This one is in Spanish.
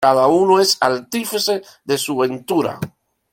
Cada uno es artífice de su ventura.